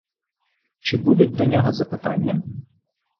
Чи будуть до нього запитання?